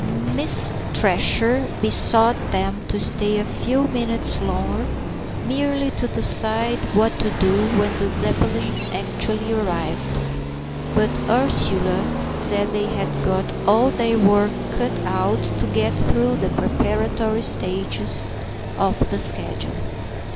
Miss Thresher besought them to stay a few minutes longer, merely to decide what to do when the Zeppelins actually arrived. But Ursula said they had got all their work cut out to get through the preparatory stages of the schedule.